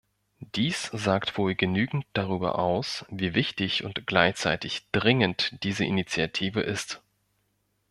Dies sagt wohl genügend darüber aus, wie wichtig und gleichzeitig dringend diese Initiative ist.